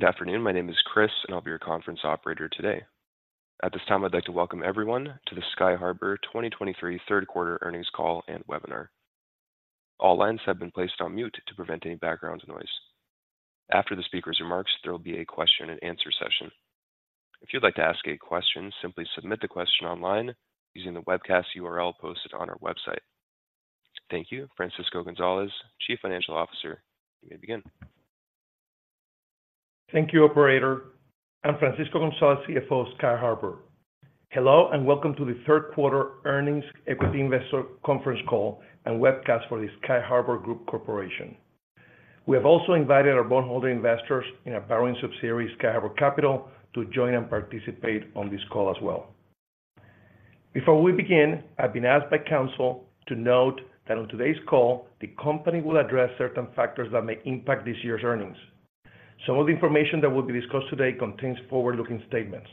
Good afternoon. My name is Chris, and I'll be your conference operator today. At this time, I'd like to welcome everyone to the Sky Harbour 2023 third quarter earnings call and webinar. All lines have been placed on mute to prevent any background noise. After the speaker's remarks, there will be a question-and-answer session. If you'd like to ask a question, simply submit the question online using the webcast URL posted on our website. Thank you. Francisco Gonzalez, Chief Financial Officer, you may begin. Thank you, operator. I'm Francisco Gonzalez, CFO of Sky Harbour. Hello, and welcome to the third quarter earnings equity investor conference call and webcast for the Sky Harbour Group Corporation. We have also invited our bondholder investors in our borrowing subsidiary, Sky Harbour Capital, to join and participate on this call as well. Before we begin, I've been asked by counsel to note that on today's call, the company will address certain factors that may impact this year's earnings. Some of the information that will be discussed today contains forward-looking statements.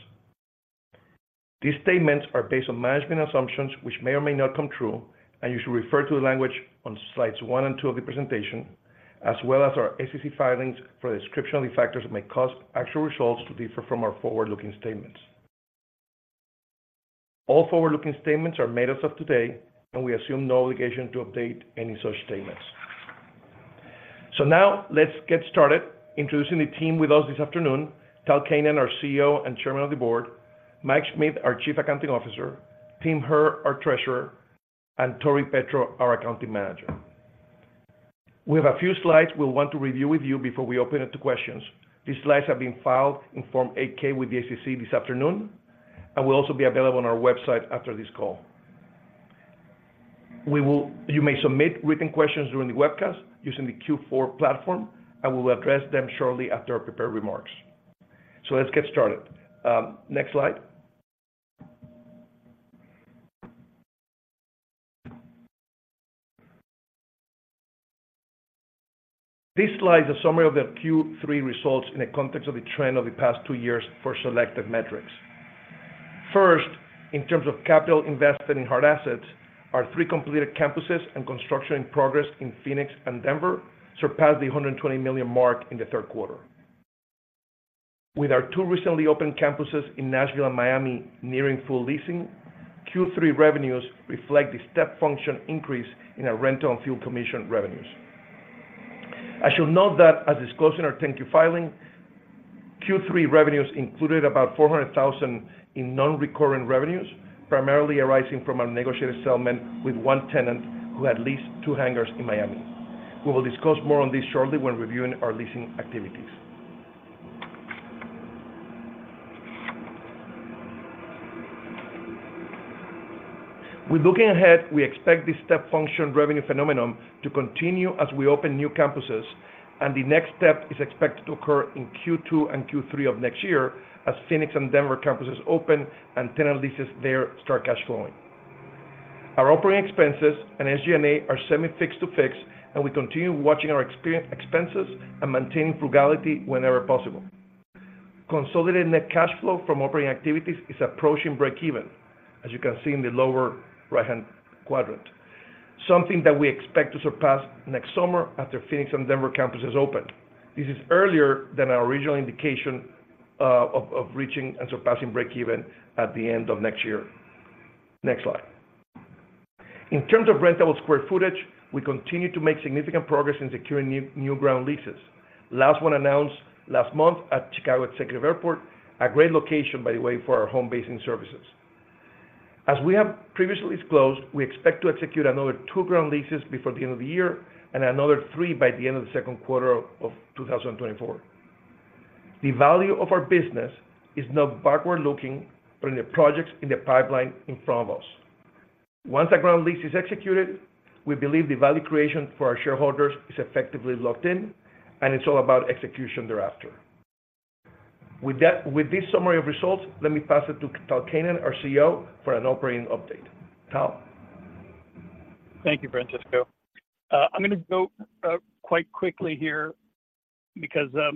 These statements are based on management assumptions, which may or may not come true, and you should refer to the language on slides one and two of the presentation, as well as our SEC filings for a description of the factors that may cause actual results to differ from our forward-looking statements. All forward-looking statements are made as of today, and we assume no obligation to update any such statements. So now, let's get started introducing the team with us this afternoon. Tal Keinan, our CEO and Chairman of the Board, Mike Schmidt, our Chief Accounting Officer, Tim Herr, our Treasurer, and Tori Petro, our Accounting Manager. We have a few slides we'll want to review with you before we open it to questions. These slides have been filed in Form 8-K with the SEC this afternoon and will also be available on our website after this call. You may submit written questions during the webcast using the Q4 platform, and we will address them shortly after our prepared remarks. So let's get started. Next slide. This slide is a summary of the third quarter results in the context of the trend of the past two years for selected metrics. First, in terms of capital invested in hard assets, our three completed campuses and construction in progress in Phoenix and Denver surpassed the $120 million mark in the third quarter. With our two recently opened campuses in Nashville and Miami nearing full leasing, third quarter revenues reflect the step function increase in our rental and fuel commission revenues. I should note that, as disclosed in our 10-Q filing, third quarter revenues included about $400,000 in non-recurrent revenues, primarily arising from a negotiated settlement with one tenant who had leased two hangars in Miami. We will discuss more on this shortly when reviewing our leasing activities. We're looking ahead, we expect this step function revenue phenomenon to continue as we open new campuses, and the next step is expected to occur in second quarter and third quarter of next year as Phoenix and Denver campuses open and tenant leases there start cash flowing. Our operating expenses and SG&A are semi-fixed to fixed, and we continue watching our expenses and maintaining frugality whenever possible. Consolidated net cash flow from operating activities is approaching break even, as you can see in the lower right-hand quadrant, something that we expect to surpass next summer after Phoenix and Denver campuses opened. This is earlier than our original indication of reaching and surpassing break even at the end of next year. Next slide. In terms of rentable square footage, we continue to make significant progress in securing new ground leases. Last one announced last month at Chicago Executive Airport, a great location, by the way, for our home-basing services. As we have previously disclosed, we expect to execute another two ground leases before the end of the year and another three by the end of the second quarter of 2024. The value of our business is not backward-looking, but in the projects in the pipeline in front of us. Once that ground lease is executed, we believe the value creation for our shareholders is effectively locked in, and it's all about execution thereafter. With that, with this summary of results, let me pass it to Tal Keinan, our CEO, for an operating update. Tal? Thank you, Francisco. I'm going to go quite quickly here because the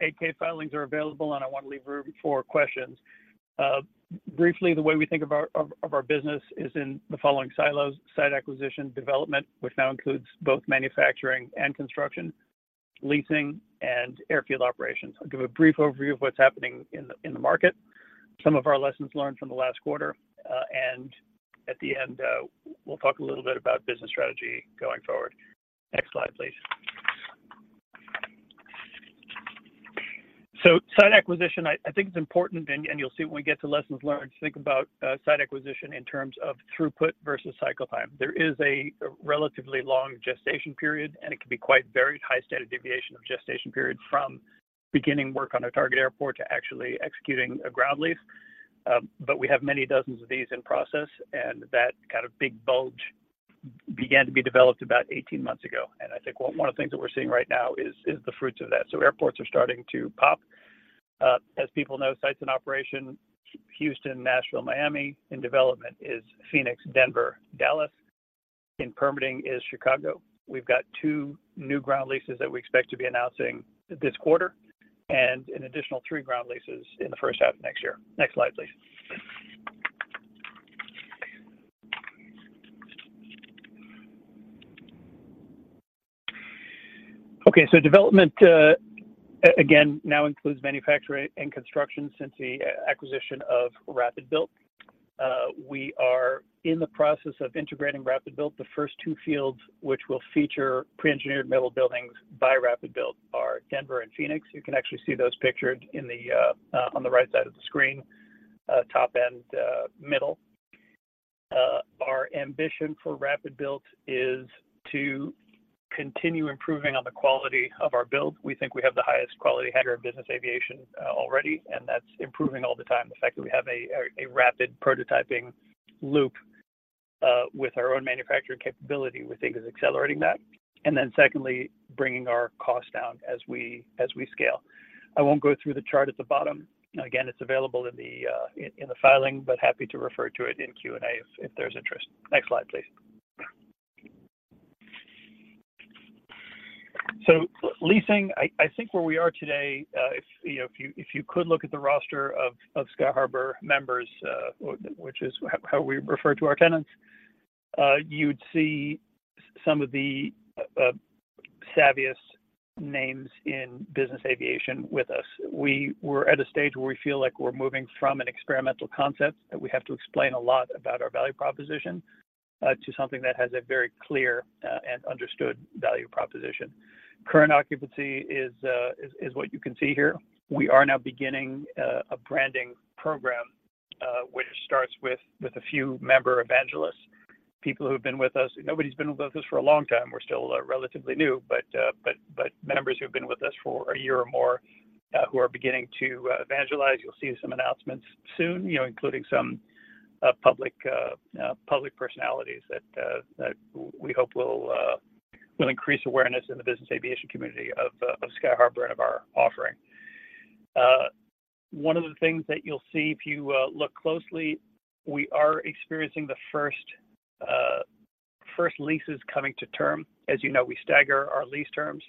8-K filings are available, and I want to leave room for questions. Briefly, the way we think of our business is in the following silos: site acquisition, development, which now includes both manufacturing and construction, leasing, and airfield operations. I'll give a brief overview of what's happening in the market, some of our lessons learned from the last quarter, and at the end, we'll talk a little bit about business strategy going forward. Next slide, please. So site acquisition, I think it's important, and you'll see when we get to lessons learned, to think about site acquisition in terms of throughput versus cycle time. There is a relatively long gestation period, and it can be quite varied, high standard deviation of gestation period from beginning work on a target airport to actually executing a ground lease. But we have many dozens of these in process, and that kind of big bulge began to be developed about 18 months ago. And I think one of the things that we're seeing right now is the fruits of that. So airports are starting to pop. As people know, sites in operation, Houston, Nashville, Miami. In development is Phoenix, Denver, Dallas. In permitting is Chicago. We've got two new ground leases that we expect to be announcing this quarter and an additional three ground leases in the first half of next year. Next slide, please. Okay, so development, again, now includes manufacturing and construction since the acquisition of RapidBuilt. We are in the process of integrating RapidBuilt. The first two fields, which will feature pre-engineered metal buildings by RapidBuilt, are Denver and Phoenix. You can actually see those pictured in the, on the right side of the screen, top and middle. Our ambition for RapidBuilt is to continue improving on the quality of our build. We think we have the highest quality hangar in business aviation, already, and that's improving all the time. The fact that we have a rapid prototyping loop, with our own manufacturing capability, we think, is accelerating that. And then secondly, bringing our costs down as we scale. I won't go through the chart at the bottom. Again, it's available in the filing, but happy to refer to it in Q&A if there's interest. Next slide, please. So leasing, I think where we are today, if you know, if you could look at the roster of Sky Harbour members, which is how we refer to our tenants, you'd see some of the savviest names in business aviation with us. We're at a stage where we feel like we're moving from an experimental concept, that we have to explain a lot about our value proposition, to something that has a very clear and understood value proposition. Current occupancy is what you can see here. We are now beginning a branding program, which starts with a few member evangelists, people who've been with us... Nobody's been with us for a long time. We're still relatively new, but members who have been with us for a year or more who are beginning to evangelize. You'll see some announcements soon, you know, including some public personalities that we hope will increase awareness in the business aviation community of Sky Harbour and of our offering. One of the things that you'll see if you look closely, we are experiencing the first leases coming to term. As you know, we stagger our lease terms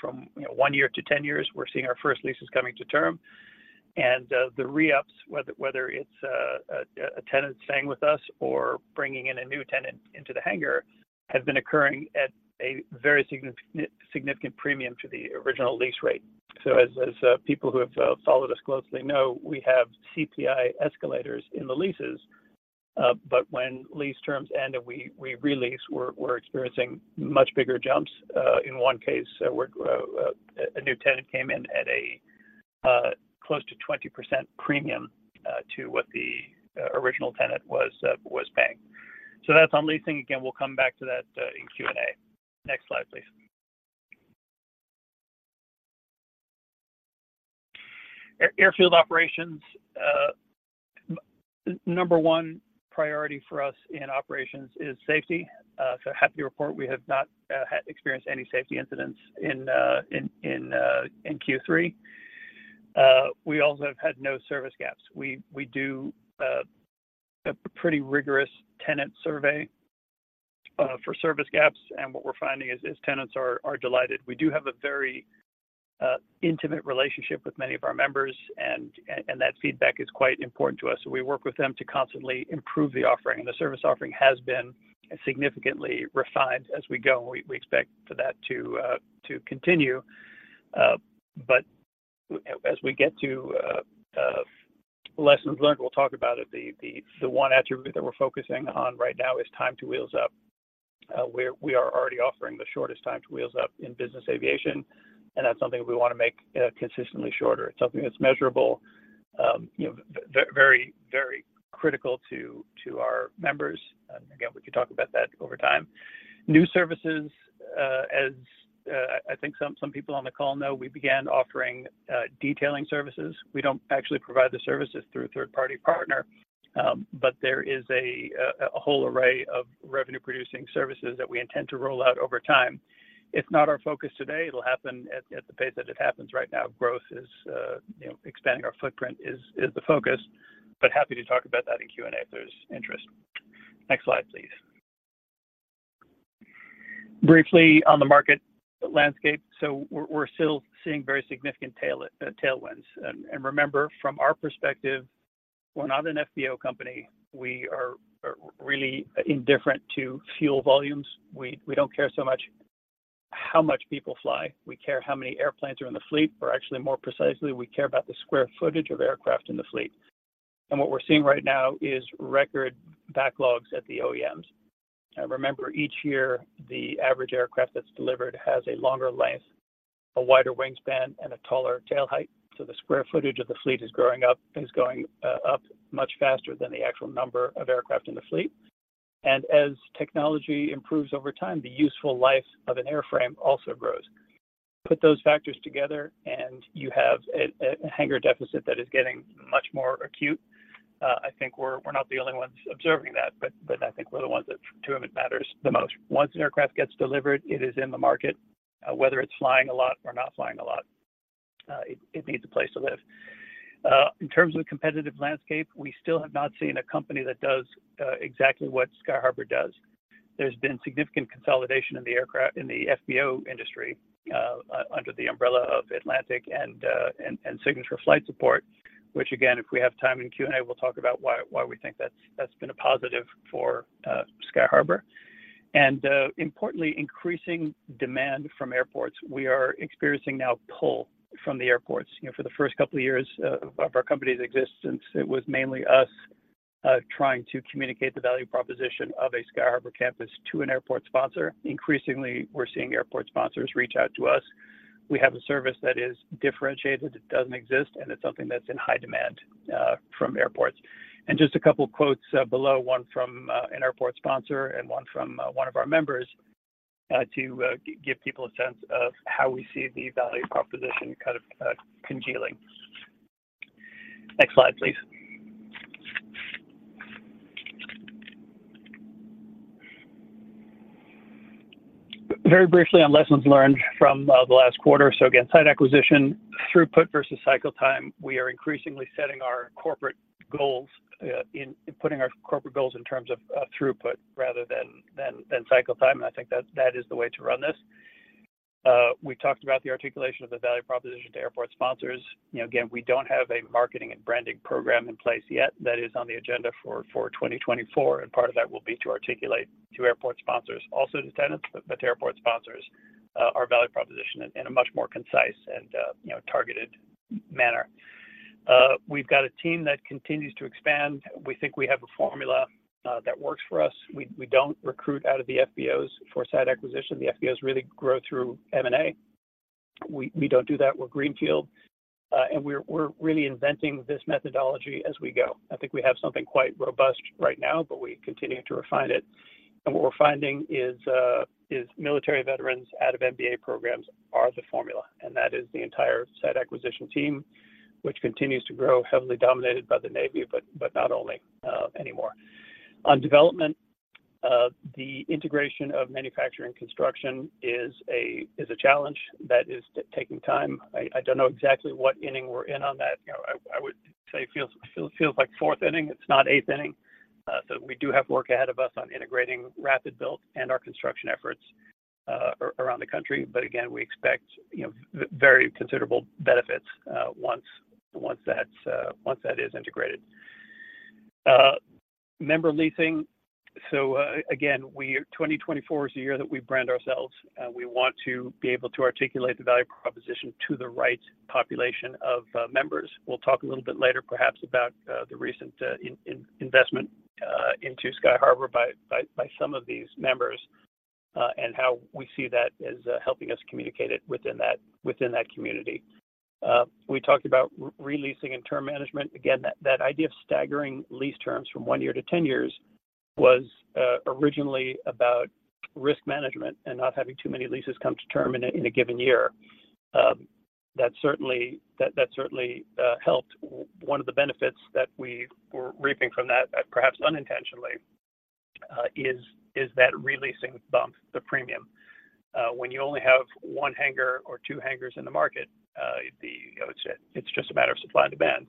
from, you know, one year to 10 years. We're seeing our first leases coming to term. The re-ups, whether it's a tenant staying with us or bringing in a new tenant into the hangar, have been occurring at a very significant premium to the original lease rate. So as people who have followed us closely know, we have CPI escalators in the leases. But when lease terms end and we re-lease, we're experiencing much bigger jumps. In one case, where a new tenant came in at a close to 20% premium to what the original tenant was paying. So that's on leasing. Again, we'll come back to that in Q&A. Next slide, please. Airfield operations. Number one priority for us in operations is safety. So happy to report we have not had experienced any safety incidents in third quarter. We also have had no service gaps. We do a pretty rigorous tenant survey for service gaps, and what we're finding is tenants are delighted. We do have a very intimate relationship with many of our members, and that feedback is quite important to us. So we work with them to constantly improve the offering. The service offering has been significantly refined as we go, and we expect for that to continue. But as we get to lessons learned, we'll talk about it. The one attribute that we're focusing on right now is time to wheels up. We are already offering the shortest Time to Wheels Up in business aviation, and that's something we want to make consistently shorter. It's something that's measurable, you know, very, very critical to our members. Again, we can talk about that over time. New services, as I think some people on the call know, we began offering detailing services. We don't actually provide the services through a third-party partner, but there is a whole array of revenue-producing services that we intend to roll out over time. It's not our focus today. It'll happen at the pace that it happens right now. Growth is, you know, expanding our footprint is the focus, but happy to talk about that in Q&A if there's interest. Next slide, please. Briefly, on the market landscape. So we're still seeing very significant tailwinds. And remember, from our perspective, we're not an FBO company. We are really indifferent to fuel volumes. We don't care so much how much people fly. We care how many airplanes are in the fleet, or actually, more precisely, we care about the square footage of aircraft in the fleet. And what we're seeing right now is record backlogs at the OEMs. Remember, each year, the average aircraft that's delivered has a longer length, a wider wingspan, and a taller tail height, so the square footage of the fleet is growing up, is going up much faster than the actual number of aircraft in the fleet. And as technology improves over time, the useful life of an airframe also grows. Put those factors together, and you have a hangar deficit that is getting much more acute. I think we're not the only ones observing that, but I think we're the ones to whom it matters the most. Once an aircraft gets delivered, it is in the market, whether it's flying a lot or not flying a lot, it needs a place to live. In terms of the competitive landscape, we still have not seen a company that does exactly what Sky Harbour does. There's been significant consolidation in the FBO industry under the umbrella of Atlantic and Signature Flight Support, which again, if we have time in Q&A, we'll talk about why we think that's been a positive for Sky Harbour. Importantly, increasing demand from airports. We are experiencing now pull from the airports. You know, for the first couple of years, of our company's existence, it was mainly us trying to communicate the value proposition of a Sky Harbour campus to an airport sponsor. Increasingly, we're seeing airport sponsors reach out to us. We have a service that is differentiated, it doesn't exist, and it's something that's in high demand from airports. And just a couple of quotes below, one from an airport sponsor and one from one of our members to give people a sense of how we see the value proposition kind of congealing. Next slide, please. Very briefly on lessons learned from the last quarter. So again, site acquisition, throughput versus cycle time. We are increasingly setting our corporate goals in putting our corporate goals in terms of throughput rather than cycle time, and I think that is the way to run this. We talked about the articulation of the value proposition to airport sponsors. You know, again, we don't have a marketing and branding program in place yet. That is on the agenda for 2024, and part of that will be to articulate to airport sponsors, also to tenants, but to airport sponsors, our value proposition in a much more concise and, you know, targeted manner. We've got a team that continues to expand. We think we have a formula that works for us. We don't recruit out of the FBOs for site acquisition. The FBOs really grow through M&A. We don't do that, we're greenfield, and we're really inventing this methodology as we go. I think we have something quite robust right now, but we continue to refine it. And what we're finding is military veterans out of MBA programs are the formula, and that is the entire site acquisition team, which continues to grow, heavily dominated by the Navy, but not only anymore. On development, the integration of manufacturing construction is a challenge that is taking time. I don't know exactly what inning we're in on that. You know, I would say it feels like fourth inning. It's not eighth inning, so we do have work ahead of us on integrating RapidBuilt and our construction efforts around the country. But again, we expect, you know, very considerable benefits once that is integrated. Member leasing. So, again, 2024 is the year that we brand ourselves, and we want to be able to articulate the value proposition to the right population of members. We'll talk a little bit later, perhaps about the recent investment into Sky Harbour by some of these members, and how we see that as helping us communicate it within that community. We talked about re-leasing and term management. Again, that idea of staggering lease terms from one year to 10 years was originally about risk management and not having too many leases come to term in a given year. That certainly helped. One of the benefits that we were reaping from that, perhaps unintentionally, is that re-leasing bump, the premium. When you only have one hangar or two hangars in the market, you know, it's just a matter of supply and demand.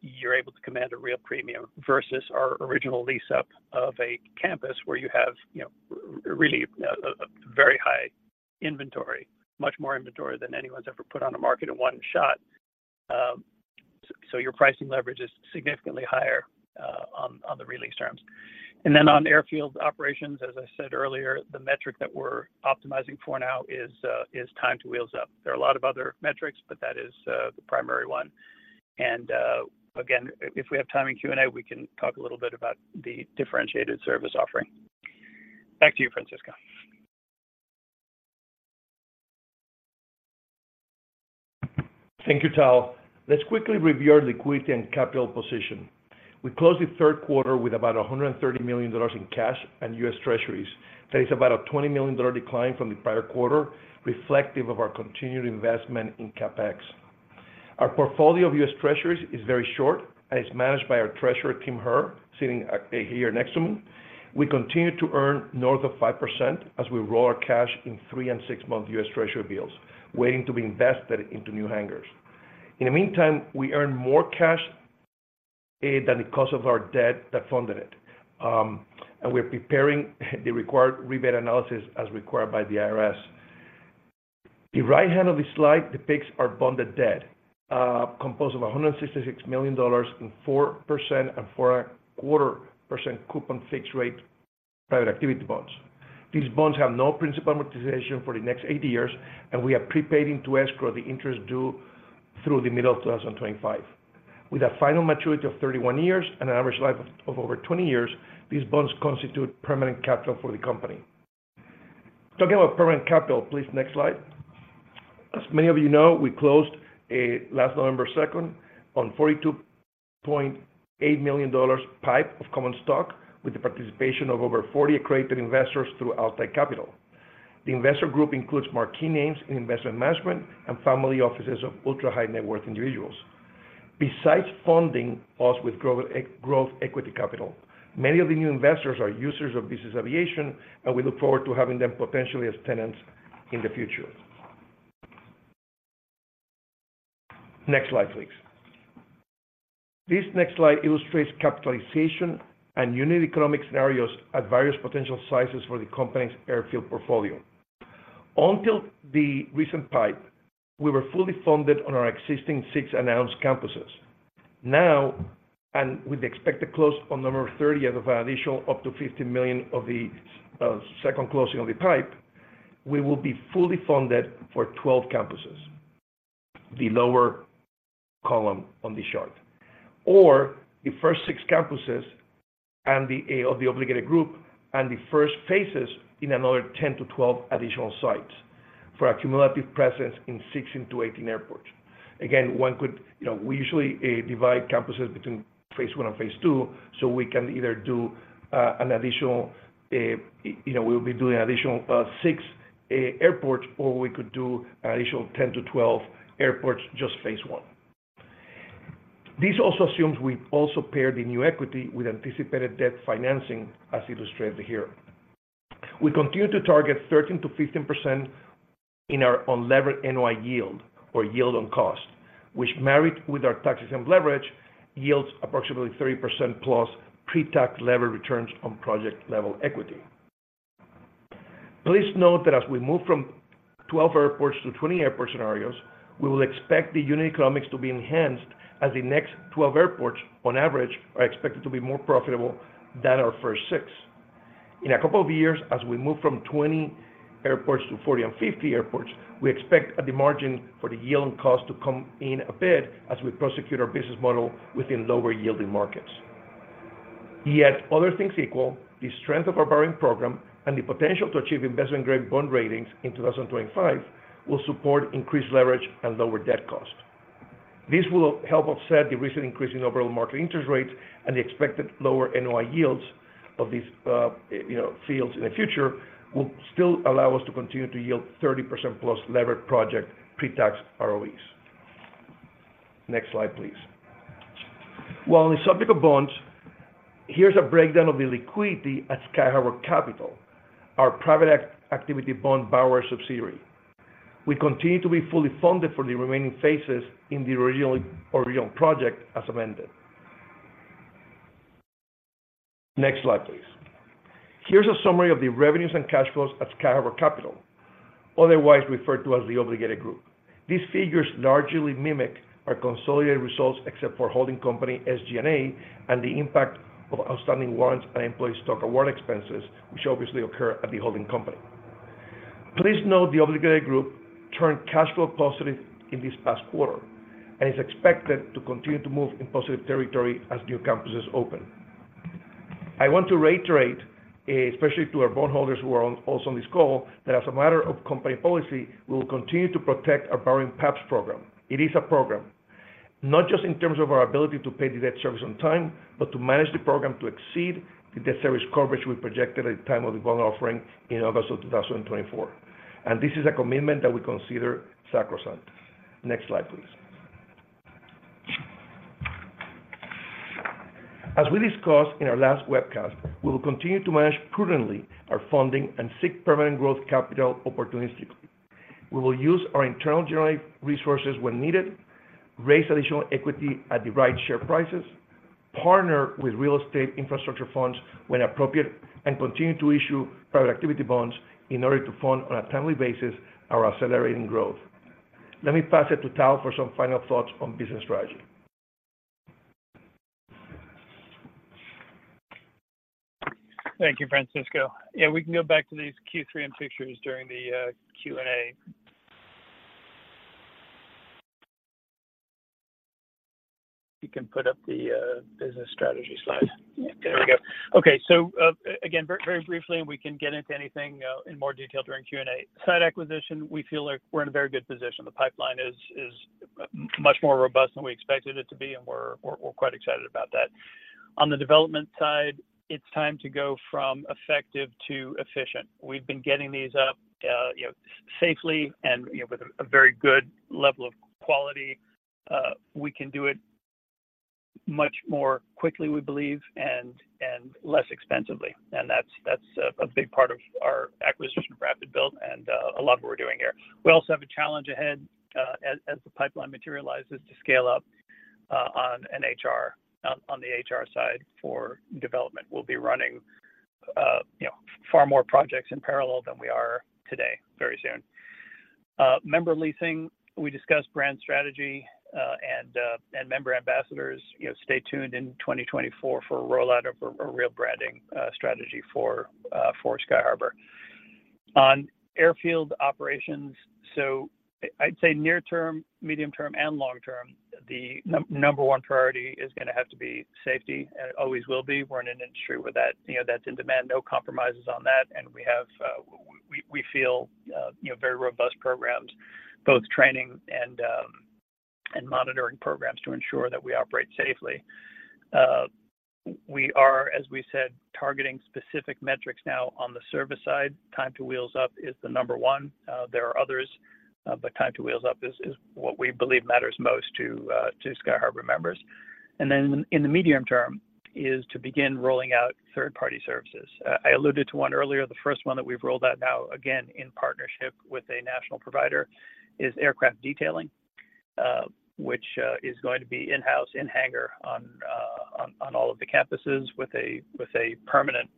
You're able to command a real premium versus our original lease-up of a campus where you have, you know, really, a very high inventory, much more inventory than anyone's ever put on the market in one shot. So your pricing leverage is significantly higher on the re-lease terms. And then on airfield operations, as I said earlier, the metric that we're optimizing for now is time to wheels up. There are a lot of other metrics, but that is the primary one. Again, if we have time in Q&A, we can talk a little bit about the differentiated service offering. Back to you, Francisco. Thank you, Tal. Let's quickly review our liquidity and capital position. We closed the third quarter with about $130 million in cash and US Treasuries. That is about a $20 million decline from the prior quarter, reflective of our continued investment in CapEx. Our portfolio of US Treasuries is very short and is managed by our treasurer, Tim Herr, sitting here next to me. We continue to earn north of 5% as we roll our cash in 3- and 6-month US Treasury bills, waiting to be invested into new hangars. In the meantime, we earn more cash than the cost of our debt that funded it, and we're preparing the required rebate analysis as required by the IRS. The right hand of the slide depicts our bonded debt, composed of $166 million in 4% and 4.25% coupon fixed rate private activity bonds. These bonds have no principal amortization for the next 80 years, and we are prepaid into escrow, the interest due through the middle of 2025. With a final maturity of 31 years and an average life of over 20 years, these bonds constitute permanent capital for the company. Talking about permanent capital, please, next slide. As many of you know, we closed last 2 November 2023 on $42.8 million PIPE of common stock with the participation of over 40 accredited investors through outside capital. The investor group includes marquee names in investment management and family offices of ultra-high net worth individuals. Besides funding us with growth equity capital, many of the new investors are users of business aviation, and we look forward to having them potentially as tenants in the future. Next slide, please.... This next slide illustrates capitalization and unit economic scenarios at various potential sizes for the company's airfield portfolio. Until the recent PIPE, we were fully funded on our existing six announced campuses. Now, and with the expected close on 30 November 2023 of an additional up to $50 million of the second closing of the PIPE, we will be fully funded for 12 campuses, the lower column on this chart. Or the first six campuses and the of the Obligated Group, and the first phases in another 10 to 12 additional sites, for a cumulative presence in 16 to 18 airports. Again, one could, you know, we usually divide campuses between phase one and phase two, so we can either do an additional, you know, we'll be doing additional six airports, or we could do an additional 10-12 airports, just phase one. This also assumes we've also paired the new equity with anticipated debt financing, as illustrated here. We continue to target 13% to 15% in our unlevered NOI yield, or yield on cost, which married with our taxes and leverage, yields approximately 30% plus pre-tax levered returns on project-level equity. Please note that as we move from 12 airports to 20 airport scenarios, we will expect the unit economics to be enhanced, as the next 12 airports, on average, are expected to be more profitable than our first six. In a couple of years, as we move from 20 airports to 40 and 50 airports, we expect the margin for the yield and cost to come in a bit as we prosecute our business model within lower-yielding markets. Yet other things equal, the strength of our borrowing program and the potential to achieve investment-grade bond ratings in 2025 will support increased leverage and lower debt cost. This will help offset the recent increase in overall market interest rates and the expected lower NOI yields of these, you know, fields in the future, will still allow us to continue to yield 30% plus levered project pre-tax ROEs. Next slide, please. While on the subject of bonds, here's a breakdown of the liquidity at Sky Harbour Capital, our private activity bond borrower subsidiary. We continue to be fully funded for the remaining phases in the original, original project as amended. Next slide, please. Here's a summary of the revenues and cash flows at Sky Harbour Capital, otherwise referred to as the Obligated Group. These figures largely mimic our consolidated results, except for holding company SG&A and the impact of outstanding warrants and employee stock award expenses, which obviously occur at the holding company. Please note, the Obligated Group turned cash flow positive in this past quarter and is expected to continue to move in positive territory as new campuses open. I want to reiterate, especially to our bondholders who are on, also on this call, that as a matter of company policy, we will continue to protect our borrowing PABs program. It is a program, not just in terms of our ability to pay the debt service on time, but to manage the program to exceed the debt service coverage we projected at the time of the bond offering in August 2024. This is a commitment that we consider sacrosanct. Next slide, please. As we discussed in our last webcast, we will continue to manage prudently our funding and seek permanent growth capital opportunistically. We will use our internal generated resources when needed, raise additional equity at the right share prices, partner with real estate infrastructure funds when appropriate, and continue to issue private activity bonds in order to fund, on a timely basis, our accelerating growth. Let me pass it to Tal for some final thoughts on business strategy. Thank you, Francisco. Yeah, we can go back to these third quarter pictures during the Q&A. You can put up the business strategy slide. There we go. Okay, so again, very, very briefly, and we can get into anything in more detail during Q&A. Site acquisition, we feel like we're in a very good position. The pipeline is much more robust than we expected it to be, and we're quite excited about that. On the development side, it's time to go from effective to efficient. We've been getting these up you know safely and you know with a very good level of quality. We can do it much more quickly, we believe, and less expensively. And that's a big part of our acquisition for RapidBuilt and a lot of what we're doing here. We also have a challenge ahead, as the pipeline materializes to scale up on the HR side for development. We'll be running, you know, far more projects in parallel than we are today, very soon. Member leasing, we discussed brand strategy, and member ambassadors. You know, stay tuned in 2024 for a rollout of a real branding strategy for Sky Harbour. On airfield operations, so I'd say near term, medium term, and long term, the number one priority is gonna have to be safety, and it always will be. We're in an industry where that, you know, that's in demand, no compromises on that. And we have, we feel, you know, very robust programs, both training and monitoring programs to ensure that we operate safely. We are, as we said, targeting specific metrics now on the service side. Time to Wheels Up is the number one. There are others, but Time to Wheels Up is what we believe matters most to Sky Harbour members. Then in the medium term is to begin rolling out third-party services. I alluded to one earlier. The first one that we've rolled out now, again, in partnership with a national provider, is aircraft detailing, which is going to be in-house, in hangar on all of the campuses with a permanent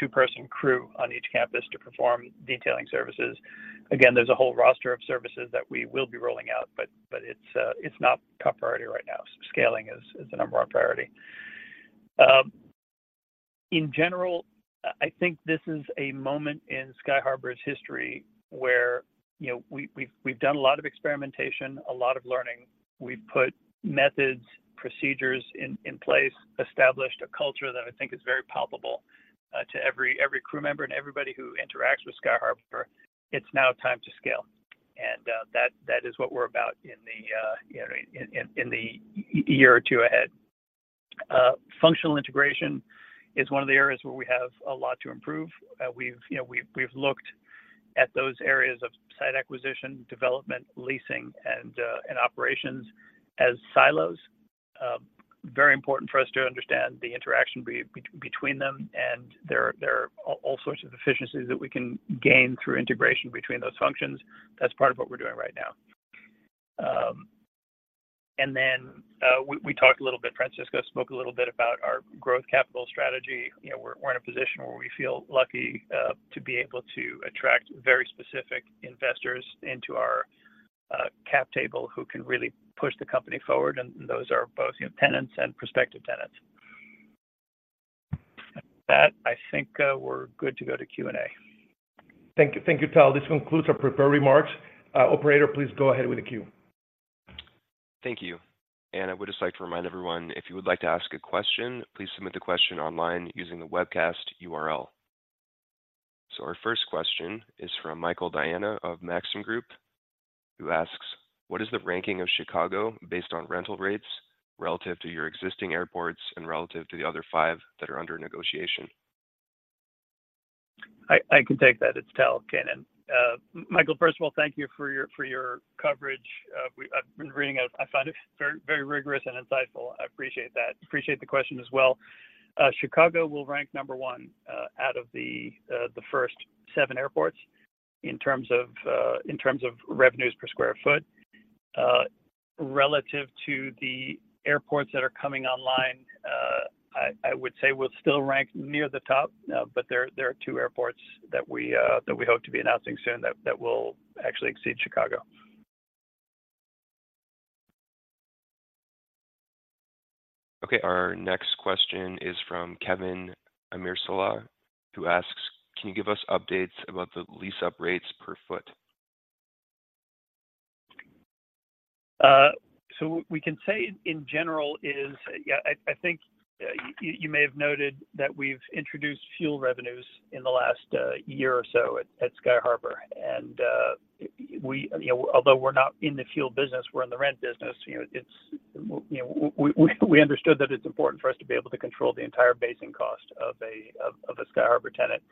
two-person crew on each campus to perform detailing services. Again, there's a whole roster of services that we will be rolling out, but it's not top priority right now. Scaling is the number one priority. In general, I think this is a moment in Sky Harbour's history where, you know, we've done a lot of experimentation, a lot of learning. We've put methods, procedures in place, established a culture that I think is very palpable to every crew member and everybody who interacts with Sky Harbour. It's now time to scale, and that is what we're about in the, you know, in the year or two ahead. Functional integration is one of the areas where we have a lot to improve. We've, you know, we've looked at those areas of site acquisition, development, leasing, and operations as silos. Very important for us to understand the interaction between them, and there are all sorts of efficiencies that we can gain through integration between those functions. That's part of what we're doing right now. And then, we talked a little bit, Francisco spoke a little bit about our growth capital strategy. You know, we're in a position where we feel lucky to be able to attract very specific investors into our cap table, who can really push the company forward, and those are both, you know, tenants and prospective tenants. With that, I think we're good to go to Q&A. Thank you. Thank you, Tal. This concludes our prepared remarks. Operator, please go ahead with the Q. Thank you. I would just like to remind everyone, if you would like to ask a question, please submit the question online using the webcast URL. Our first question is from Michael Diana of Maxim Group, who asks, "What is the ranking of Chicago based on rental rates relative to your existing airports and relative to the other five that are under negotiation? I can take that. It's Tal Keinan. Michael, first of all, thank you for your coverage. I've been reading it. I find it very, very rigorous and insightful. I appreciate that. Appreciate the question as well. Chicago will rank number one out of the first seven airports in terms of revenues per square foot. Relative to the airports that are coming online, I would say we'll still rank near the top, but there are two airports that we hope to be announcing soon that will actually exceed Chicago. Okay, our next question is from Kevin Amirsaleh, who asks, "Can you give us updates about the lease-up rates per foot? So what we can say in general is... Yeah, I think you may have noted that we've introduced fuel revenues in the last year or so at Sky Harbour, and we, you know, although we're not in the fuel business, we're in the rent business, you know, it's, you know, we understood that it's important for us to be able to control the entire basing cost of a Sky Harbour tenant.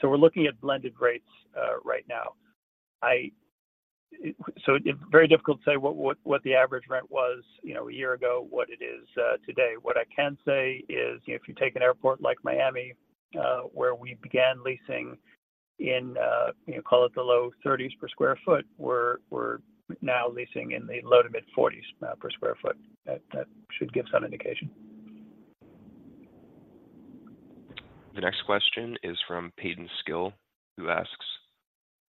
So we're looking at blended rates right now. So it's very difficult to say what the average rent was, you know, a year ago, what it is today. What I can say is, you know, if you take an airport like Miami, where we began leasing in, you know, call it the low 30s per sq ft, we're now leasing in the low-to-mid 40s per sq ft. That should give some indication. The next question is from Peyton Skill, who asks,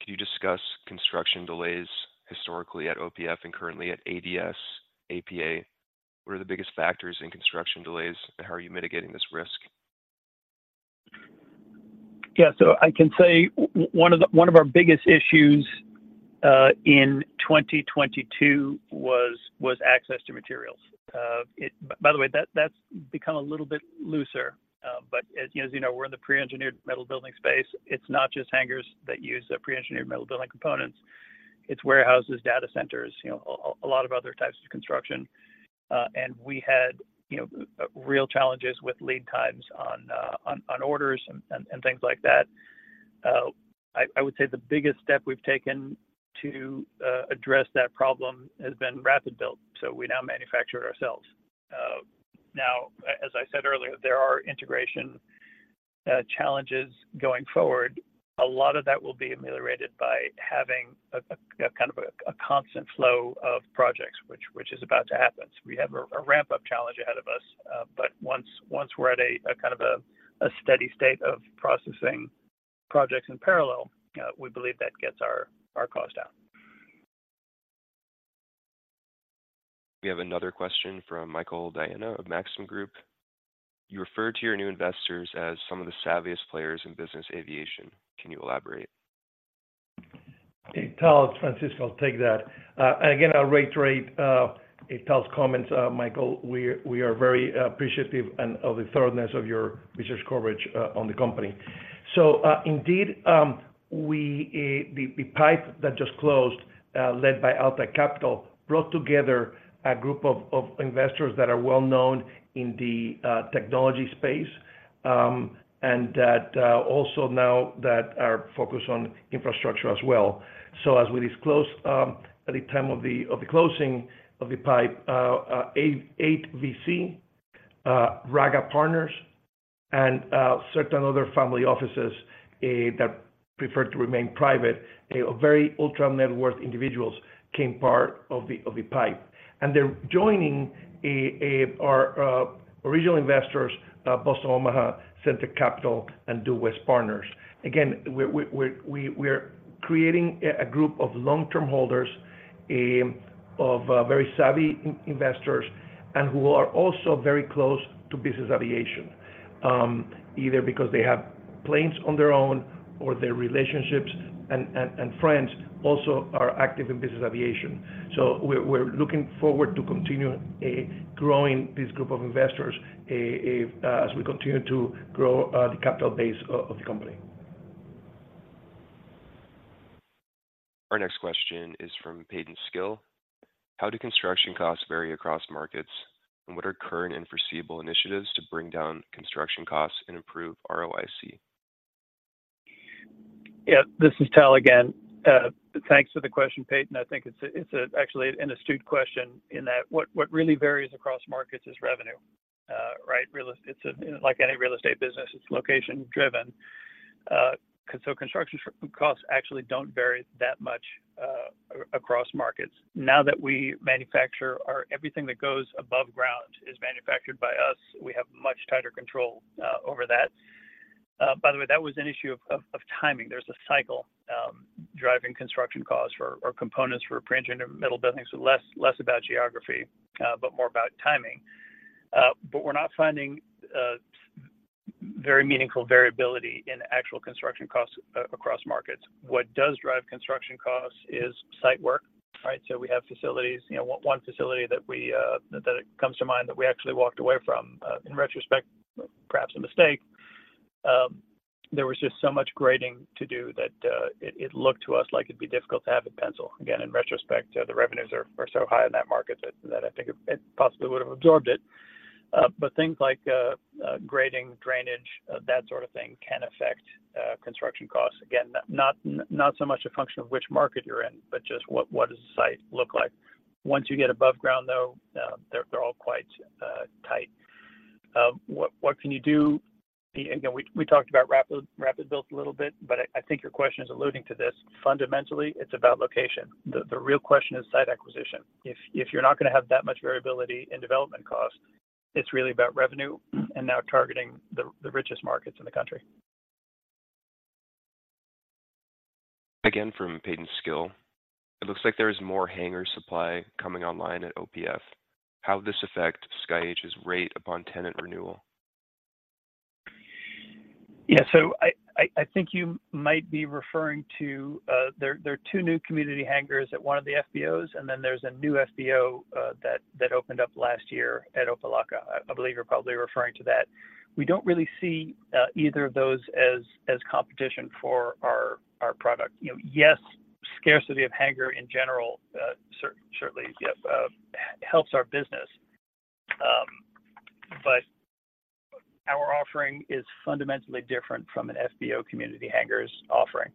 "Can you discuss construction delays historically at OPF and currently at ADS, APA? What are the biggest factors in construction delays, and how are you mitigating this risk? Yeah, so I can say one of our biggest issues in 2022 was access to materials. By the way, that's become a little bit looser, but as you know, we're in the pre-engineered metal building space. It's not just hangars that use the pre-engineered metal building components. It's warehouses, data centers, you know, a lot of other types of construction. And we had, you know, real challenges with lead times on orders and things like that. I would say the biggest step we've taken to address that problem has been RapidBuilt, so we now manufacture it ourselves. Now, as I said earlier, there are integration challenges going forward. A lot of that will be ameliorated by having a kind of a constant flow of projects, which is about to happen. So we have a ramp-up challenge ahead of us, but once we're at a kind of a steady state of processing projects in parallel, we believe that gets our costs down. We have another question from Michael Diana of Maxim Group: "You refer to your new investors as some of the savviest players in business aviation. Can you elaborate? Hey, Tal, it's Francisco. I'll take that. And again, I'll reiterate Tal's comments, Michael, we are very appreciative and of the thoroughness of your research coverage on the company. So, indeed, the PIPE that just closed, led by Altai Capital, brought together a group of investors that are well known in the technology space... and that also now that our focus on infrastructure as well. So as we disclose, at the time of the closing of the PIPE, 8VC, Raga Partners, and certain other family offices that prefer to remain private, a very ultra net worth individuals became part of the PIPE. And they're joining our original investors, Boston Omaha, Center Capital, and Due West Partners. Again, we're creating a group of long-term holders of very savvy investors, and who are also very close to business aviation, either because they have planes on their own or their relationships and friends also are active in business aviation. So we're looking forward to continue growing this group of investors, as we continue to grow the capital base of the company. Our next question is from Peyton Skill. How do construction costs vary across markets? And what are current and foreseeable initiatives to bring down construction costs and improve ROIC? Yeah, this is Tal again. Thanks for the question, Peyton. I think it's actually an astute question in that what really varies across markets is revenue. Right? It's like any real estate business, it's location driven. So construction costs actually don't vary that much across markets. Now that we manufacture everything that goes above ground is manufactured by us, we have much tighter control over that. By the way, that was an issue of timing. There's a cycle driving construction costs for or components for printing or metal buildings. So less about geography, but more about timing. But we're not finding very meaningful variability in actual construction costs across markets. What does drive construction costs is site work, right? So we have facilities... You know, one facility that we, that comes to mind, that we actually walked away from, in retrospect, perhaps a mistake, there was just so much grading to do that, it looked to us like it'd be difficult to have a pencil. Again, in retrospect, the revenues are so high in that market that, I think it possibly would have absorbed it. But things like, grading, drainage, that sort of thing, can affect construction costs. Again, not so much a function of which market you're in, but just what does the site look like? Once you get above ground, though, they're all quite tight. What can you do? Again, we talked about RapidBuilt a little bit, but I think your question is alluding to this. Fundamentally, it's about location. The real question is site acquisition. If you're not going to have that much variability in development cost, it's really about revenue and now targeting the richest markets in the country. Again, from Peyton Skill. It looks like there is more hangar supply coming online at OPF. How would this affect Sky Harbour's rate upon tenant renewal? Yeah, so I think you might be referring to there are two new community hangars at one of the FBOs, and then there's a new FBO that opened up last year at Opa-locka. I believe you're probably referring to that. We don't really see either of those as competition for our product. You know, yes, scarcity of hangar in general certainly, yep, helps our business. But our offering is fundamentally different from an FBO community hangar's offering.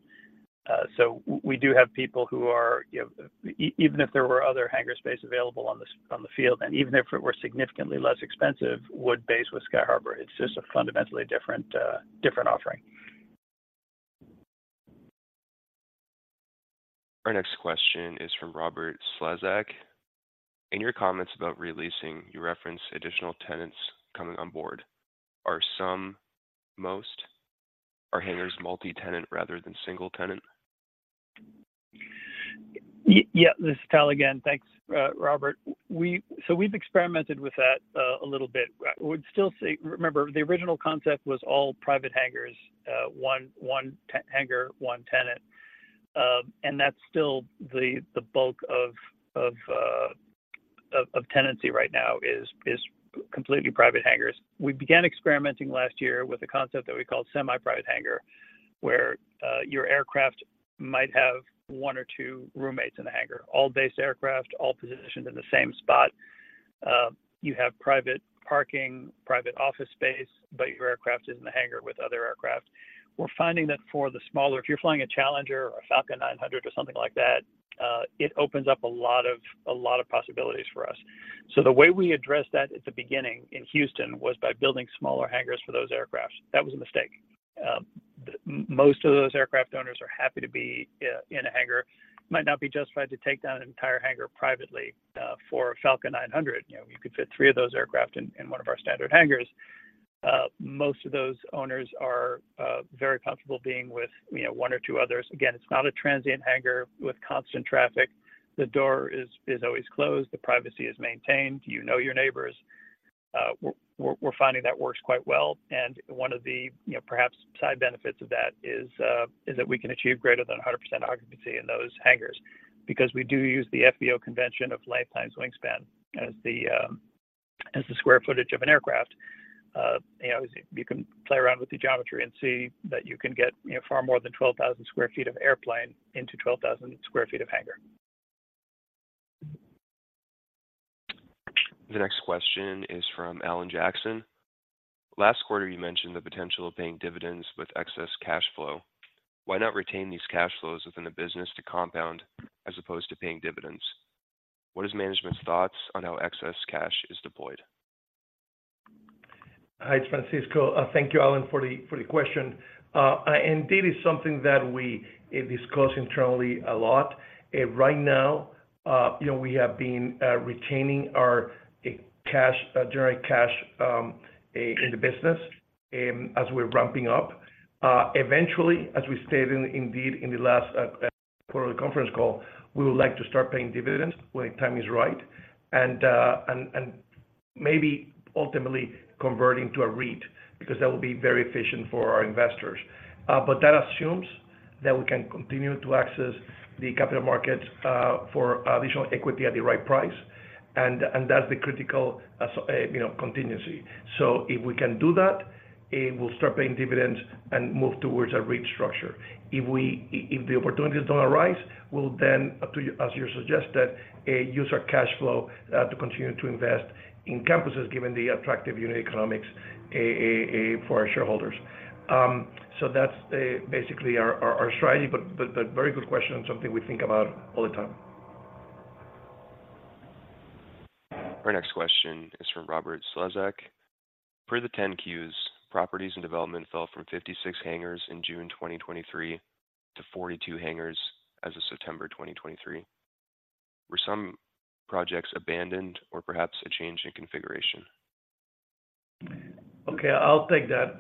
So we do have people who are, you know, even if there were other hangar space available on the field, and even if it were significantly less expensive, would base with Sky Harbour. It's just a fundamentally different offering. Our next question is from Robert Slezak. In your comments about leasing, you referenced additional tenants coming on board. Are some, most? Are hangars multi-tenant rather than single-tenant? Yeah, this is Tal again. Thanks, Robert. So we've experimented with that a little bit. I would still say, remember, the original concept was all private hangars, one hangar, one tenant. And that's still the bulk of tenancy right now, is completely private hangars. We began experimenting last year with a concept that we call semi-private hangar, where your aircraft might have one or two roommates in the hangar. All based aircraft, all positioned in the same spot. You have private parking, private office space, but your aircraft is in the hangar with other aircraft. We're finding that for the smaller, if you're flying a Challenger or Falcon 900 or something like that, it opens up a lot of possibilities for us. So the way we addressed that at the beginning in Houston was by building smaller hangars for those aircraft. That was a mistake. Most of those aircraft owners are happy to be in a hangar, might not be justified to take down an entire hangar privately for a Falcon 900. You know, you could fit three of those aircraft in one of our standard hangars. Most of those owners are very comfortable being with, you know, one or two others. Again, it's not a transient hangar with constant traffic. The door is always closed, the privacy is maintained, you know your neighbors. We're finding that works quite well, and one of the, you know, perhaps side benefits of that is that we can achieve greater than 100% occupancy in those hangars. Because we do use the FBO convention of length times wingspan as the square footage of an aircraft. You know, you can play around with the geometry and see that you can get, you know, far more than 12,000 sq ft of airplane into 12,000 sq ft of hangar. The next question is from Alan Jackson. Last quarter, you mentioned the potential of paying dividends with excess cash flow. Why not retain these cash flows within the business to compound as opposed to paying dividends? What is management's thoughts on how excess cash is deployed? Hi, it's Francisco. Thank you, Alan, for the, for the question. Indeed, it's something that we discuss internally a lot. Right now, you know, we have been retaining our cash generate cash in the business as we're ramping up. Eventually, as we stated, indeed, in the last quarterly conference call, we would like to start paying dividends when time is right, and, and, and maybe ultimately converting to a REIT, because that will be very efficient for our investors. But that assumes that we can continue to access the capital markets for additional equity at the right price, and, and that's the critical so, you know, contingency. So if we can do that, we'll start paying dividends and move towards a REIT structure. If the opportunities don't arise, we'll then up to you as you suggested use our cash flow to continue to invest in campuses, given the attractive unit economics for our shareholders. So that's basically our strategy, but very good question, and something we think about all the time. Our next question is from Robert Slezak. Per the 10-Qs, properties and development fell from 56 hangars in June 2023 to 42 hangars as of September 2023. Were some projects abandoned or perhaps a change in configuration? Okay, I'll take that.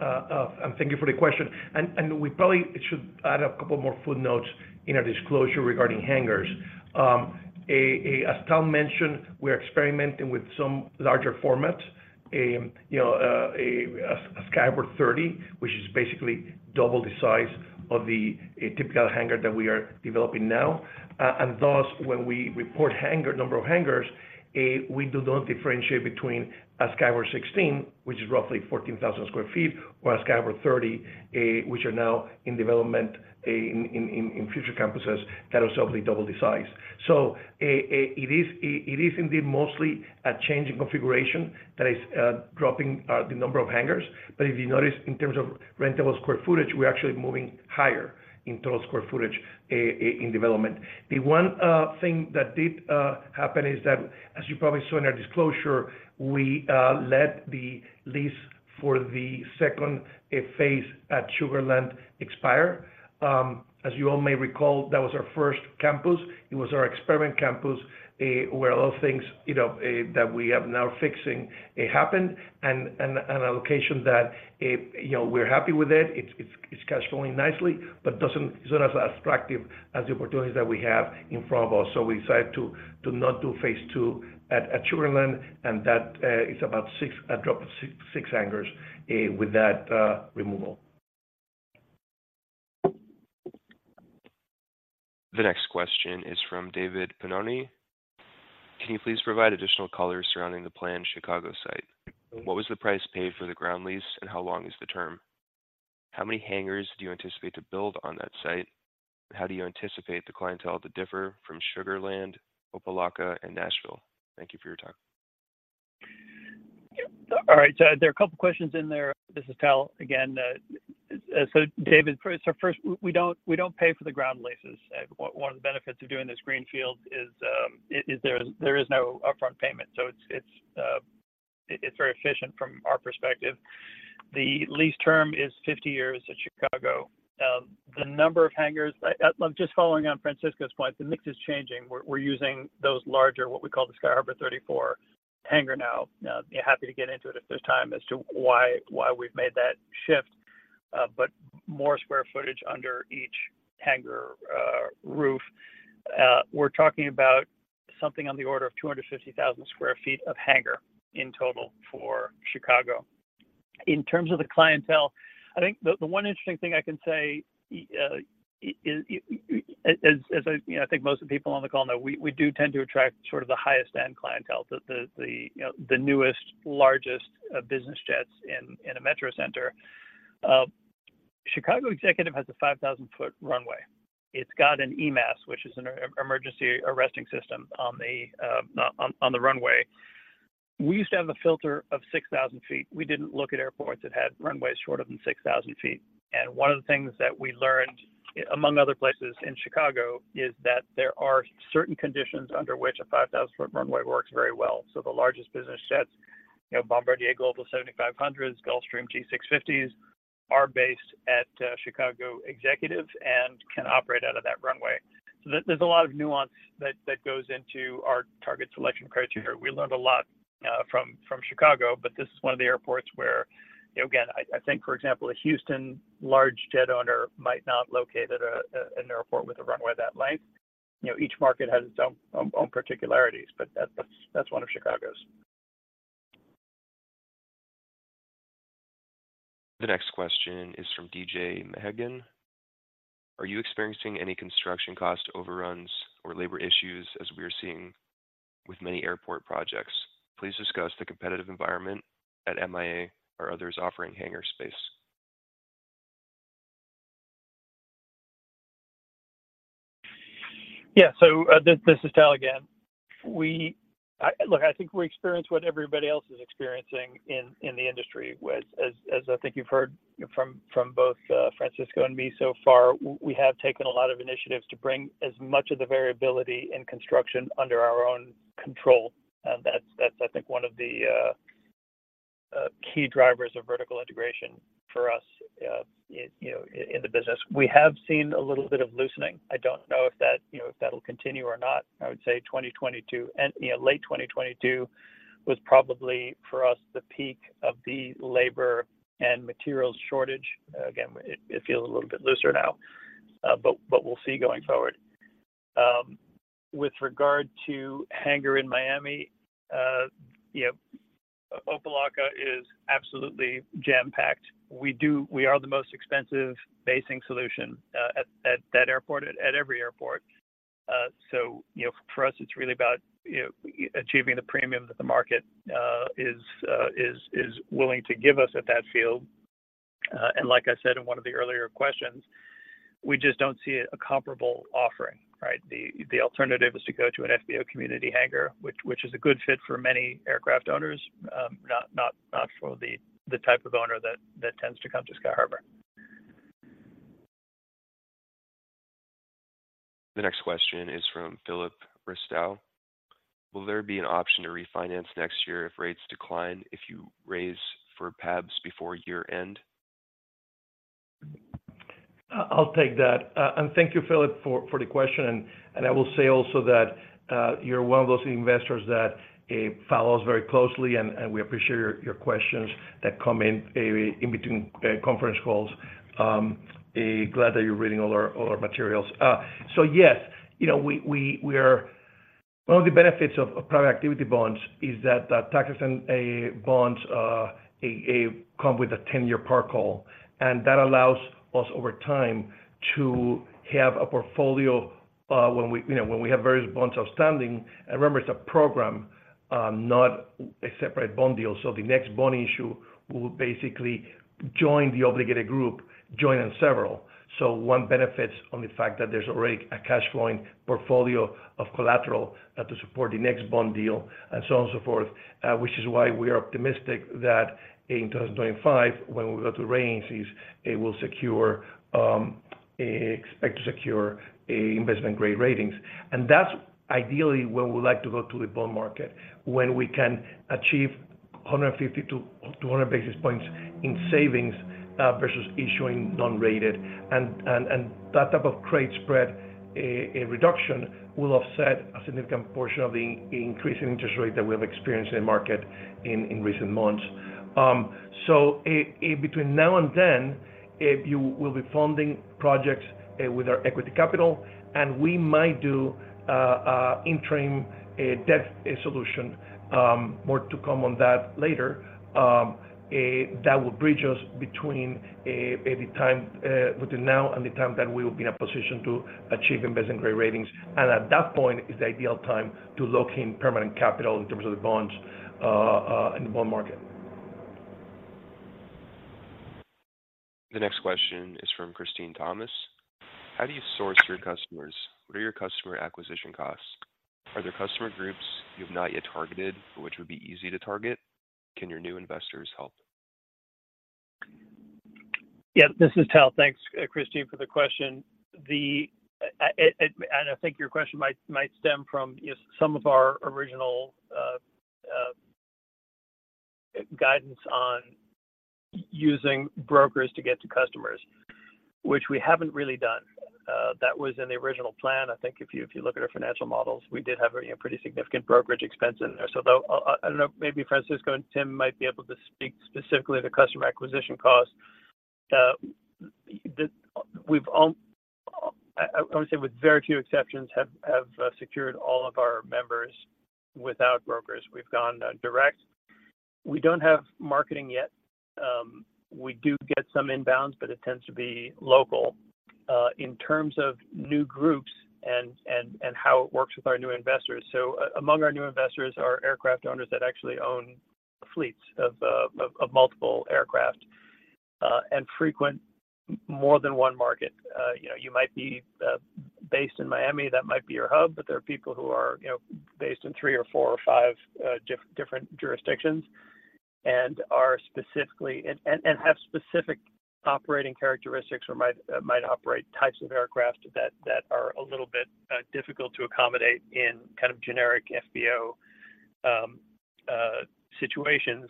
And thank you for the question. And we probably should add a couple more footnotes in our disclosure regarding hangars. As Tom mentioned, we're experimenting with some larger format, you know, a Sky Harbor 30, which is basically double the size of a typical hangar that we are developing now. And thus, when we report hangar number of hangars, we do not differentiate between a Sky Harbor 16, which is roughly 14,000 sq ft, or a Sky Harbor 30, which are now in development in future campuses, that is obviously double the size. So it is indeed mostly a change in configuration that is dropping the number of hangars. But if you notice, in terms of rentable square footage, we're actually moving higher in total square footage in development. The one thing that did happen is that, as you probably saw in our disclosure, we let the lease for the second phase at Sugar Land expire. As you all may recall, that was our first campus. It was our experiment campus, where a lot of things, you know, that we are now fixing, it happened, and a location that, you know, we're happy with it, it's cash flowing nicely, but it's not as attractive as the opportunities that we have in front of us. So, we decided to not do phase two at Sugar Land, and that is about a drop of six hangars with that removal. The next question is from David Pannone. Can you please provide additional color surrounding the planned Chicago site? What was the price paid for the ground lease, and how long is the term? How many hangars do you anticipate to build on that site? How do you anticipate the clientele to differ from Sugar Land, Opa-locka, and Nashville? Thank you for your time. All right, so there are a couple questions in there. This is Tal again. So David, first, we don't pay for the ground leases. One of the benefits of doing this greenfield is there is no upfront payment, so it's very efficient from our perspective. The lease term is 50 years at Chicago. The number of hangars, just following on Francisco's point, the mix is changing. We're using those larger, what we call the Sky Harbour 34 hangar now. Happy to get into it if there's time, as to why we've made that shift, but more square footage under each hangar roof. We're talking about something on the order of 250,000 sq ft of hangar in total for Chicago. In terms of the clientele, I think the one interesting thing I can say, as I, you know, I think most of the people on the call know, we do tend to attract sort of the highest-end clientele, the, the, the, you know, the newest, largest business jets in a metro center. Chicago Executive Airport has a 5,000-foot runway. It's got an EMAS, which is an emergency arresting system, on the runway. We used to have a filter of 6,000 feet. We didn't look at airports that had runways shorter than 6,000 feet. One of the things that we learned, among other places in Chicago, is that there are certain conditions under which a 5,000-foot runway works very well. So the largest business jets, you know, Bombardier Global 7500s, Gulfstream G650s, are based at Chicago Executive Airport and can operate out of that runway. So there, there's a lot of nuance that goes into our target selection criteria. We learned a lot from Chicago, but this is one of the airports where, you know, again, I think, for example, a Houston large jet owner might not locate at an airport with a runway that length. You know, each market has its own particularities, but that's one of Chicago's. The next question is from DJ Meagan: Are you experiencing any construction cost overruns or labor issues, as we are seeing with many airport projects? Please discuss the competitive environment at MIA or others offering hangar space. Yeah. So, this, this is Tal again. We, look, I think we experience what everybody else is experiencing in the industry. As I think you've heard from both Francisco and me so far, we have taken a lot of initiatives to bring as much of the variability in construction under our own control. And that's, I think, one of the key drivers of vertical integration for us, you know, in the business. We have seen a little bit of loosening. I don't know if that, you know, if that'll continue or not. I would say 2022, and, you know, late 2022 was probably, for us, the peak of the labor and materials shortage. Again, it feels a little bit looser now, but we'll see going forward. With regard to hangar in Miami, you know, Opa-locka is absolutely jam-packed. We do-- We are the most expensive basing solution at that airport, at every airport. So, you know, for us, it's really about, you know, achieving the premium that the market is willing to give us at that field. And like I said in one of the earlier questions, we just don't see a comparable offering, right? The alternative is to go to an FBO community hangar, which is a good fit for many aircraft owners, not for the type of owner that tends to come to Sky Harbour. The next question is from Philip Ristow: Will there be an option to refinance next year if rates decline, if you raise for PABs before year-end? I'll take that. And thank you, Philip, for the question. And I will say also that you're one of those investors that follow us very closely, and we appreciate your questions that come in between conference calls. Glad that you're reading all our materials. So, yes, you know, one of the benefits of Private Activity Bonds is that the taxes and bonds come with a 10-year par call, and that allows us, over time, to have a portfolio when we, you know, when we have various bonds outstanding. And remember, it's a program, not a separate bond deal. So the next bond issue will basically join the Obligated Group, join in several. So one benefits on the fact that there's already a cash flowing portfolio of collateral to support the next bond deal and so on and so forth, which is why we are optimistic that in 2025, when we go to the rating agencies, it will secure, expect to secure investment-grade ratings. And that's ideally when we like to go to the bond market, when we can achieve 150-200 basis points in savings versus issuing non-rated. And that type of credit spread, a reduction will offset a significant portion of the increase in interest rate that we have experienced in the market in recent months. So, between now and then, if you will be funding projects with our equity capital, and we might do an interim debt solution, more to come on that later, that will bridge us between the time between now and the time that we will be in a position to achieve investment-grade ratings. And at that point is the ideal time to lock in permanent capital in terms of the bonds in the bond market. The next question is from Christine Thomas: How do you source your customers? What are your customer acquisition costs? Are there customer groups you've not yet targeted, which would be easy to target? Can your new investors help? Yeah, this is Tal. Thanks, Christine, for the question. I think your question might stem from, you know, some of our original guidance on using brokers to get to customers, which we haven't really done. That was in the original plan. I think if you look at our financial models, we did have a, you know, pretty significant brokerage expense in there. So though, I don't know, maybe Francisco and Tim might be able to speak specifically to customer acquisition costs. We've all, I would say, with very few exceptions, have secured all of our members without brokers. We've gone direct. We don't have marketing yet. We do get some inbounds, but it tends to be local in terms of new groups and how it works with our new investors. So among our new investors are aircraft owners that actually own fleets of multiple aircraft and frequent more than one market. You know, you might be based in Miami, that might be your hub, but there are people who are, you know, based in three or four or five different jurisdictions and are specifically and have specific operating characteristics or might operate types of aircraft that are a little bit difficult to accommodate in generic FBO situations,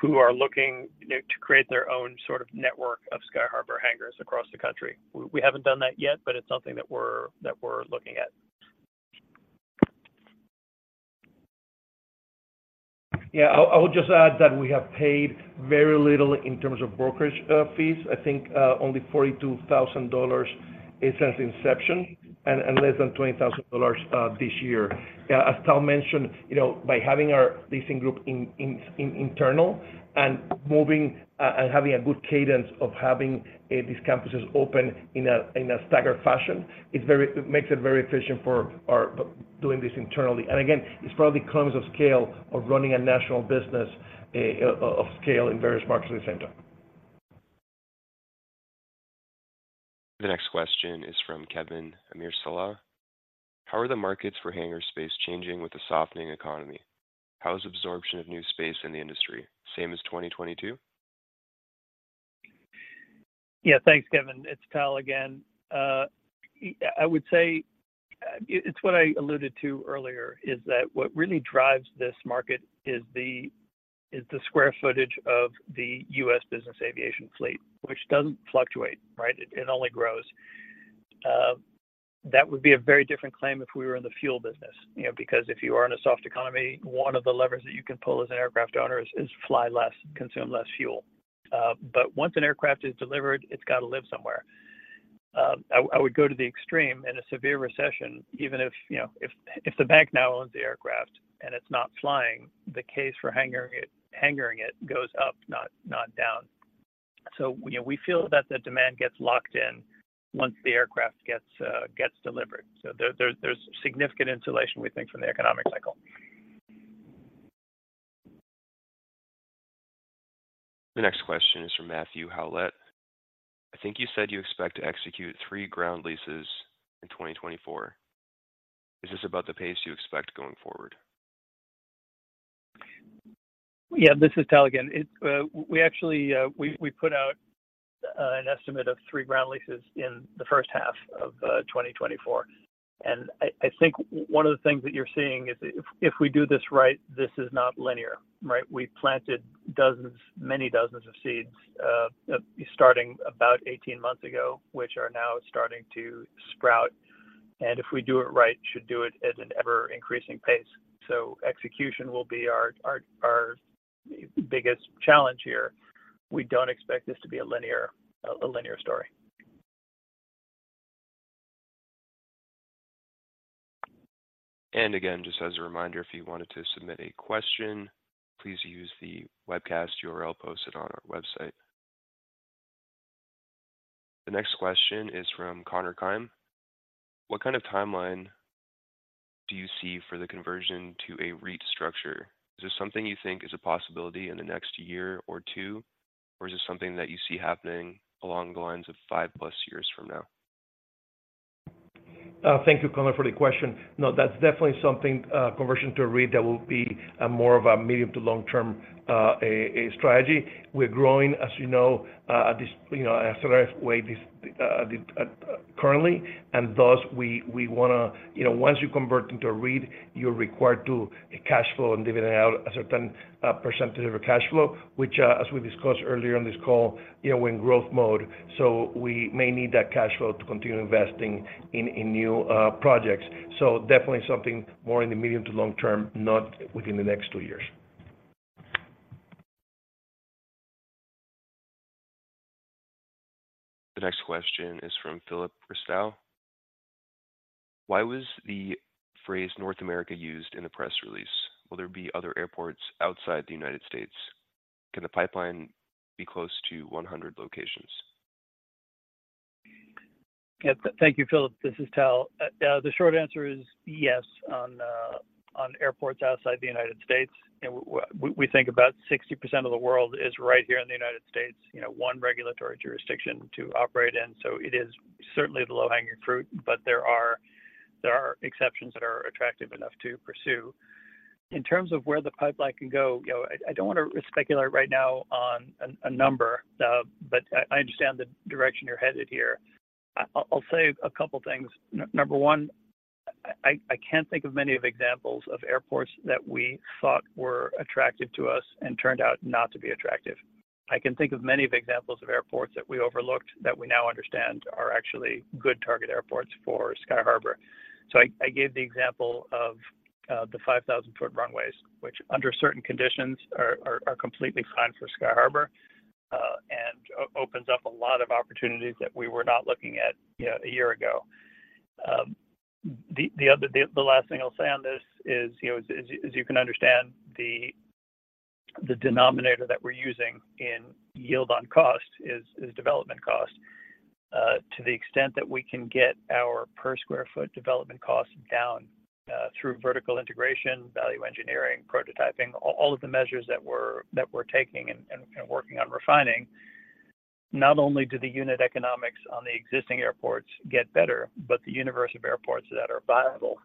who are looking, you know, to create their own sort of network of Sky Harbour hangars across the country. We haven't done that yet, but it's something that we're looking at. Yeah. I would just add that we have paid very little in terms of brokerage fees. I think only $42,000 since inception and less than $20,000 this year. As Tal mentioned, you know, by having our leasing group internal and moving and having a good cadence of having these campuses open in a staggered fashion, it's very—it makes it very efficient for our—doing this internally. And again, it's one of the economies of scale of running a national business of scale in various markets in the center. The next question is from Kevin Amirsaleh: How are the markets for hangar space changing with the softening economy? How is absorption of new space in the industry? Same as 2022? Yeah. Thanks, Kevin. It's Tal again. I would say it's what I alluded to earlier, is that what really drives this market is the square footage of the US business aviation fleet, which doesn't fluctuate, right? It only grows. That would be a very different claim if we were in the fuel business, you know, because if you are in a soft economy, one of the levers that you can pull as an aircraft owner is fly less, consume less fuel. But once an aircraft is delivered, it's got to live somewhere. I would go to the extreme. In a severe recession, even if, you know, if the bank now owns the aircraft and it's not flying, the case for hangaring it goes up, not down. So, you know, we feel that the demand gets locked in once the aircraft gets delivered. So there's significant insulation, we think, from the economic cycle. The next question is from Matthew Howlett. I think you said you expect to execute three ground leases in 2024. Is this about the pace you expect going forward? Yeah, this is Tal again. We actually put out an estimate of three ground leases in the first half of 2024, and I think one of the things that you're seeing is if we do this right, this is not linear, right? We planted dozens, many dozens of seeds, starting about 18 months ago, which are now starting to sprout, and if we do it right, should do it at an ever-increasing pace. So execution will be our biggest challenge here. We don't expect this to be a linear story. Again, just as a reminder, if you wanted to submit a question, please use the webcast URL posted on our website. The next question is from Connor Kime. What kind of timeline do you see for the conversion to a REIT structure? Is this something you think is a possibility in the next year or two, or is this something that you see happening along the lines of five plus years from now? Thank you, Connor, for the question. No, that's definitely something, conversion to a REIT, that will be, more of a medium to long-term, a strategy. We're growing, as you know, at this, you know, a accelerated way, this, currently, and thus, we want to... You know, once you convert into a REIT, you're required to cash flow and dividend out a certain, percentage of your cash flow, which, as we discussed earlier on this call, you know, we're in growth mode, so we may need that cash flow to continue investing in, new, projects. So definitely something more in the medium to long term, not within the next two years. The next question is from Philip Ristow. Why was the phrase North America used in the press release? Will there be other airports outside the United States? Can the pipeline be close to 100 locations? Yeah. Thank you, Philip. This is Tal. The short answer is yes on airports outside the United States, and we think about 60% of the world is right here in the United States. You know, one regulatory jurisdiction to operate in, so it is certainly the low-hanging fruit. But there are exceptions that are attractive enough to pursue. In terms of where the pipeline can go, you know, I don't want to speculate right now on a number, but I understand the direction you're headed here. I'll say a couple things. Number one, I can't think of many examples of airports that we thought were attractive to us and turned out not to be attractive. I can think of many of examples of airports that we overlooked, that we now understand are actually good target airports for Sky Harbour. So I gave the example of the 5,000-foot runways, which under certain conditions are completely fine for Sky Harbour, and opens up a lot of opportunities that we were not looking at, you know, a year ago. The other, the last thing I'll say on this is, you know, as you can understand, the denominator that we're using in yield on cost is development cost. To the extent that we can get our per square foot development costs down, through vertical integration, value engineering, prototyping, all of the measures that we're taking and working on refining, not only do the unit economics on the existing airports get better, but the universe of airports that are viable,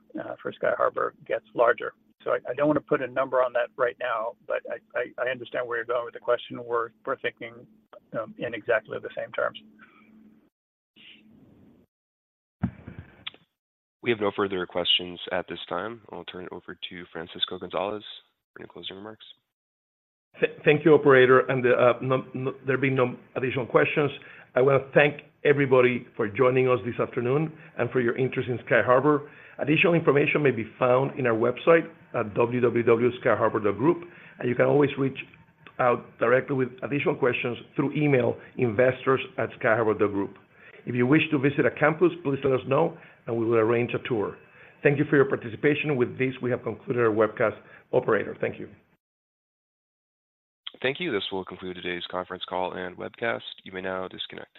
for Sky Harbour gets larger. So I don't want to put a number on that right now, but I understand where you're going with the question. We're thinking in exactly the same terms. We have no further questions at this time. I'll turn it over to Francisco Gonzalez for any closing remarks. Thank you, operator, and there being no additional questions, I want to thank everybody for joining us this afternoon and for your interest in Sky Harbour. Additional information may be found in our website at www.skyharbour.group, and you can always reach out directly with additional questions through email, investors@skyharbour.group. If you wish to visit a campus, please let us know, and we will arrange a tour. Thank you for your participation. With this, we have concluded our webcast. Operator, thank you. Thank you. This will conclude today's conference call and webcast. You may now disconnect.